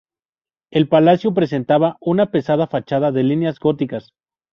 El palacio presentaba una pesada fachada de líneas góticas.